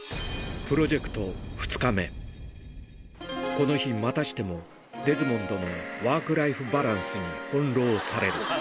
この日、またしてもデズモンドのワークライフバランスに翻弄される。